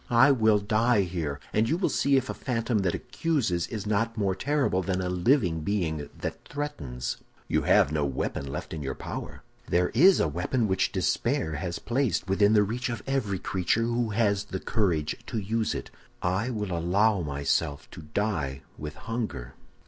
I will die here, and you will see if a phantom that accuses is not more terrible than a living being that threatens!' "'You shall have no weapon left in your power.' "'There is a weapon which despair has placed within the reach of every creature who has the courage to use it. I will allow myself to die with hunger.